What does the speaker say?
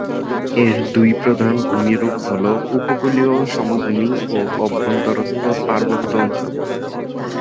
এর দুই প্রধান ভূমিরূপ হল উপকূলীয় সমভূমি ও অভ্যন্তরস্থ পার্বত্য অঞ্চল।